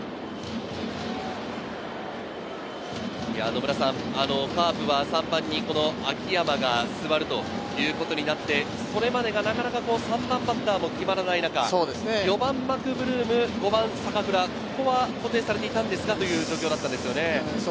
野村さん、カープは３番に秋山が座るということになって、それまでがなかなか３番バッターも決まらない中、４番・マクブルーム、５番・坂倉、ここは固定されていたんですがという状況だったんですよね。